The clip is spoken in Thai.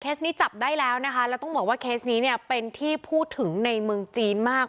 นี้จับได้แล้วนะคะแล้วต้องบอกว่าเคสนี้เนี่ยเป็นที่พูดถึงในเมืองจีนมาก